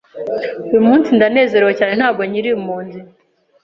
uyu munsi ndanezerewe cyane ntago nkiri impunzi